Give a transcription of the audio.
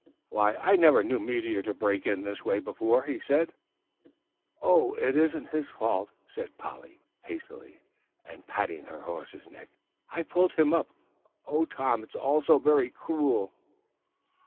"Why, I never knew Meteor to break in this way before." "Oh, it isn't his fault," said Polly, hastily, and patting her horse's neck. "I pulled him up. Oh, Tom, it's all so very cruel."